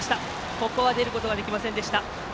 ここは出ることできませんでした。